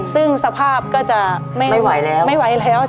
ซึ่งสภาพก็จะไม่ไหวแล้ว